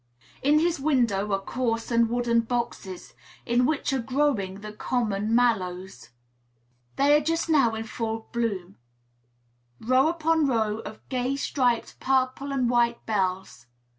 In his window are coarse wooden boxes, in which are growing the common mallows. They are just now in full bloom, row upon row of gay striped purple and white bells.